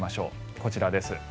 こちらです。